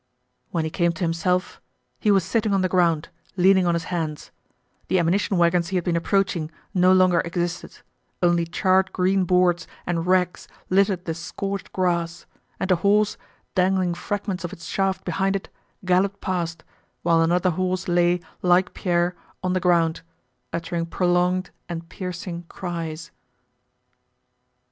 When he came to himself he was sitting on the ground leaning on his hands; the ammunition wagons he had been approaching no longer existed, only charred green boards and rags littered the scorched grass, and a horse, dangling fragments of its shaft behind it, galloped past, while another horse lay, like Pierre, on the ground, uttering prolonged and piercing cries.